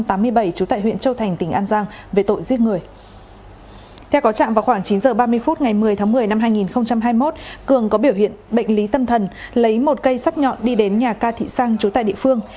vào chín h ba mươi phút ngày một mươi tháng một mươi năm hai nghìn hai mươi một cường có biểu hiện bệnh lý tâm thần lấy một cây sắt nhọn đi đến nhà ca thị sang chú tại địa phương